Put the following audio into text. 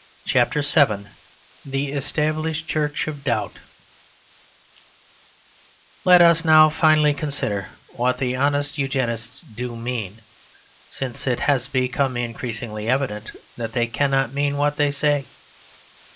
CHAPTER VII THE ESTABLISHED CHURCH OF DOUBT Let us now finally consider what the honest Eugenists do mean, since it has become increasingly evident that they cannot mean what they say.